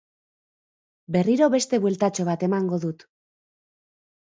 Berriro beste bueltatxo bat emango dut.